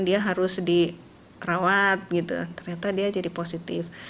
dia harus dirawat gitu ternyata dia jadi positif